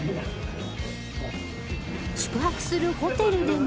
宿泊するホテルでも。